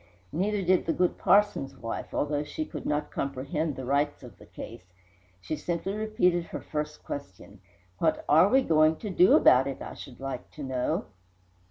Neither did the good parson's wife, although she could not comprehend the rights of the case. She simply repeated her first question: "What are we going to do about it, I should like to know?"